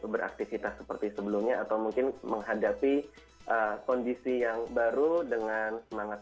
beraktivitas seperti sebelumnya atau mungkin menghadapi kondisi yang baru dengan semangat